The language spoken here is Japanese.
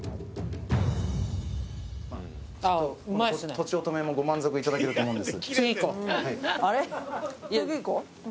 とちおとめもご満足いただけると思うんです。